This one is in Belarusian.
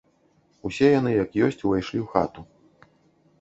Усе яны як ёсць увайшлі ў хату.